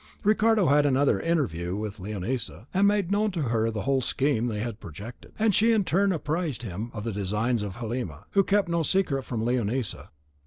Ricardo had another interview with Leonisa, and made known to her the whole scheme they had projected; and she in return apprised him of the designs of Halima, who kept no secret from Leonisa.